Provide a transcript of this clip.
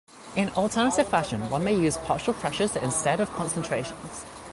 In alternative fashion, one may use partial pressures instead of concentrations.